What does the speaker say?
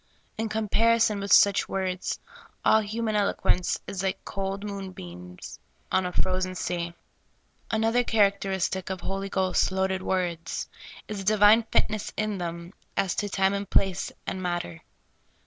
In comparison with such words, all human eloquence is like cold moonbeams on a frozen sea. Another characteristic of Holy Ghost loaded words is a divine fitness in them as to time and place and matter.